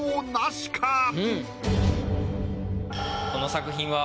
この作品は。